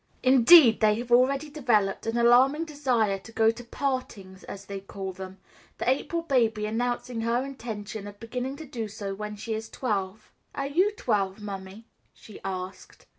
Indeed, they have already developed an alarming desire to go to "partings" as they call them, the April baby announcing her intention of beginning to do so when she is twelve. "Are you twelve, Mummy?" she asked.